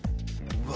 うわ！